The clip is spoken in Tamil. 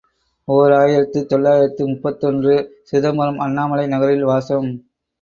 ஓர் ஆயிரத்து தொள்ளாயிரத்து முப்பத்தொன்று ● சிதம்பரம் அண்ணாமலை நகரில் வாசம்.